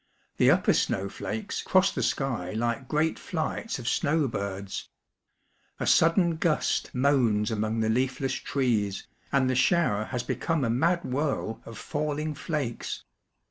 The upper snow flakes cross the sky like great flights of snow birds. A sudden gust moans among the leafless trees, and the shower has become a mad whirl of falling flakes.